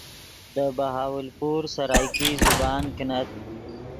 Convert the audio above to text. دے بہاولپور سرائیکی زبان کینت